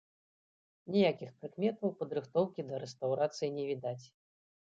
Ніякіх прыкметаў падрыхтоўкі да рэстаўрацыі не відаць.